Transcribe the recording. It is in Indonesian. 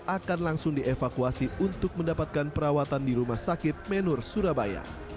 akan langsung dievakuasi untuk mendapatkan perawatan di rumah sakit menur surabaya